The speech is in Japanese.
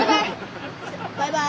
バイバイ！